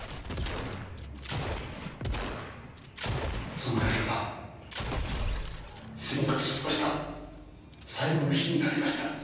その夜が純夏と過ごした最後の日になりました。